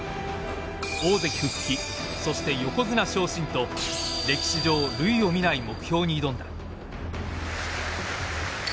大関復帰そして横綱昇進と歴史上類を見ない目標に挑んだ。